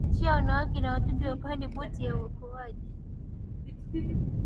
aliachia wanawake na watoto wapande boti ya uokoaji